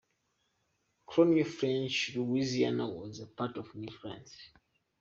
Colonial French Louisiana was a part of New France.